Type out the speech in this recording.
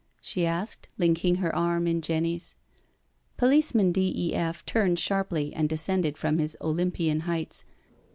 she asked, linking her arm in Jenny's, Policeman D. E. F. turned sharply and descended from his Olympian heights.